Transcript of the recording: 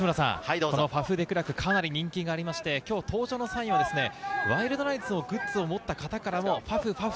デクラーク、かなり人気がありまして、登場の際にはワイルドナイツのグッズを持った方からも「ファフ！」